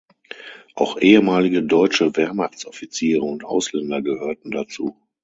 Auch ehemalige deutsche Wehrmachtsoffiziere und Ausländer gehörten dazu.